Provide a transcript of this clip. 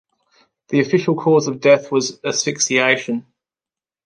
The official cause of death was asphixiation.